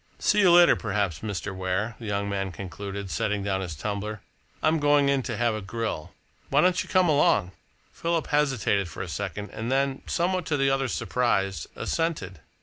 See you later, perhaps, Mr. Ware," the young man concluded, setting down his tumbler. "I'm going in to have a grill. Why don't you come along?" Philip hesitated for a second and then, somewhat to the other's surprise, assented.